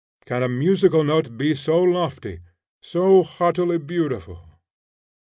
Can a musical note be so lofty, so haughtily beautiful!